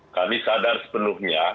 kami sadar sepenuhnya